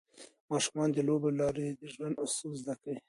ماشومان د لوبو له لارې د ژوند اصول زده کوي.